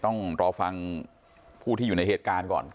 ต้องรอฟังผู้ที่อยู่ในเหตุการณ์ก่อน